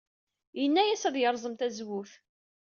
Yenna-as ad yerẓem tazewwut.